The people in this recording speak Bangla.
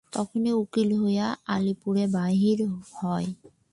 তখন উকিল হইয়া আলিপুরে বাহির হই।